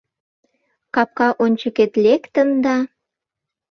Капка ончыкет лектым да